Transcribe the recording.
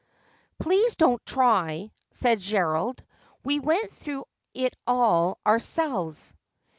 ' Please don't try,' said Gerald, ' we went through it all our selves.'